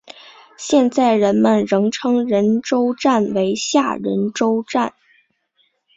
现在人们仍称仁川站为下仁川站。